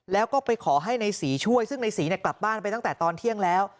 แล้วก็ไปขอให้ในศรีช่วยซึ่งในศรีกลับบ้านไปตั้งแต่ตอนเที่ยงแล้ว